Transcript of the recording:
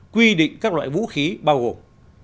quy định các loại vũ khí bao gồm